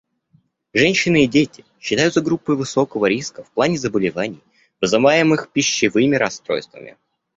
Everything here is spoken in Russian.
Женщины и дети считаются группой высокого риска в плане заболеваний, вызываемых пищевыми расстройствами.